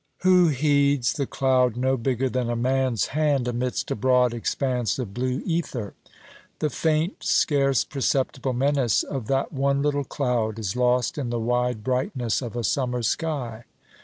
Who heeds the cloud no bigger than a man's hand amidst a broad expanse of blue ether? The faint, scarce perceptible menace of that one little cloud is lost in the wide brightness of a summer sky.